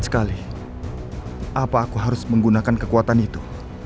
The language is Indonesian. kau harus menggunakan kekuatan itu